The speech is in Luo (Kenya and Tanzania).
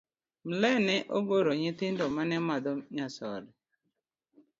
Mle ne ogoro nyithindo mane madho nyasore.